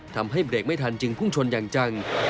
ทำให้เบรกไม่ทันจึงพุ่งชนอย่างจัง